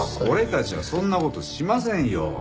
俺たちはそんな事しませんよ。